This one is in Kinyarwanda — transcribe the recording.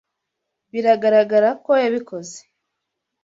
Biragaragara ko yabikoze.